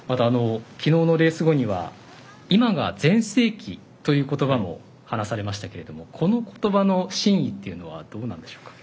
きのうのレース後には今が全盛期ということばも話されましたけどこのことばの真意というのはどうなんでしょうか？